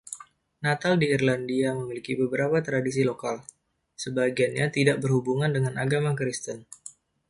Natal di Irlandia memiliki beberapa tradisi lokal, sebagiannya tidak berhubungan dengan agama Kristen.